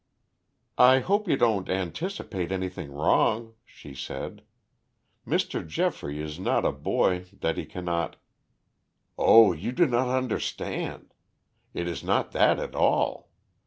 "I hope you don't anticipate anything wrong," she said. "Mr. Geoffrey is not a boy that he cannot " "Oh, you do not understand! It is not that at all.